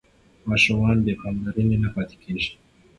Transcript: ماشومان بې پاملرنې نه پاتې کېږي.